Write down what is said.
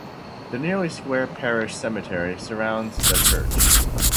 The nearly square parish cemetery surrounds the church.